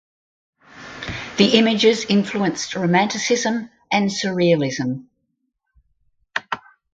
The images influenced Romanticism and Surrealism.